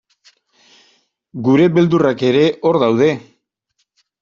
Gure beldurrak ere hor daude.